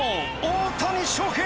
大谷翔平！